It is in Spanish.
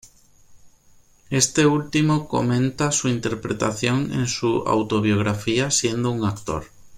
Este último comenta su interpretación en su autobiografía "Siendo un actor".